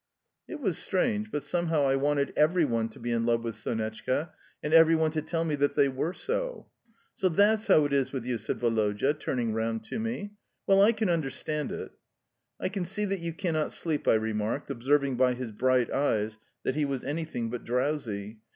It was strange, but somehow I wanted every one to be in love with Sonetchka, and every one to tell me that they were so. "So that's how it is with you? " said Woloda, turning round to me. "Well, I can understand it." "I can see that you cannot sleep," I remarked, observing by his bright eyes that he was anything but drowsy.